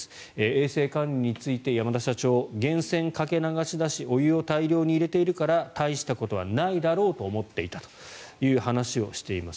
衛生管理について山田社長源泉かけ流しだしお湯を大量に入れているから大したことはないだろうと思っていたという話をしています。